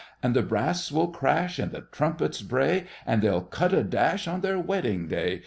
And the brass will crash, And the trumpets bray, And they'll cut a dash On their wedding day.